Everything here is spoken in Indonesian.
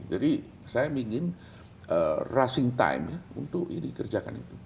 jadi saya ingin rushing time untuk dikerjakan itu